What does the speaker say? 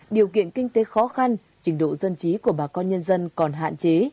điều kiện kinh tế khó khăn trình độ dân trí của bà con nhân dân còn hạn chế